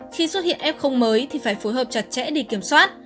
khi xuất hiện f mới thì phải phối hợp chặt chẽ để kiểm soát